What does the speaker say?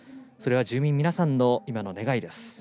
それは住民皆さんの今の願いです。